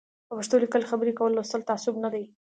په پښتو لیکل خبري کول لوستل تعصب نه دی